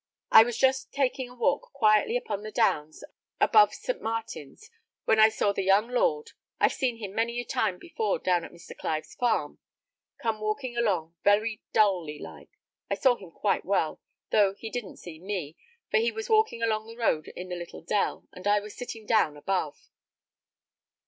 I was just taking a walk quietly upon the Downs, over above St. Martin's when I saw the young lord I've seen him many a time before down at Mr. Clive's farm come walking along very dully like. I saw him quite well, though he didn't see me, for he was walking along the road in the little dell, and I was sitting down above."